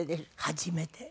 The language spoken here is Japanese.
初めて。